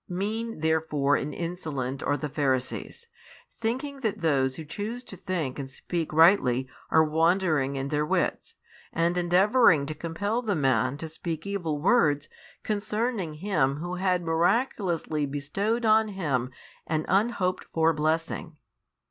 Mean therefore and insolent are the Pharisees, thinking that those who choose to think and speak rightly are wandering in their wits, and endeavouring to compel the man to speak evil words concerning Him Who had miraculously bestowed on him an unhoped for blessing.